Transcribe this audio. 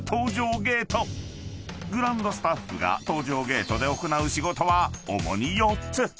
［グランドスタッフが搭乗ゲートで行う仕事は主に４つ］